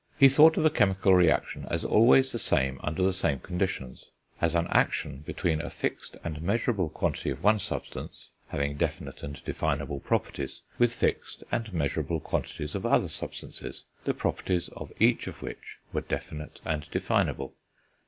He thought of a chemical reaction as always the same under the same conditions, as an action between a fixed and measurable quantity of one substance, having definite and definable properties, with fixed and measurable quantities of other substances, the properties of each of which were definite and definable.